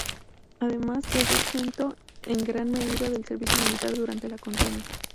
Además, quedó exento en gran medida del servicio militar durante la contienda.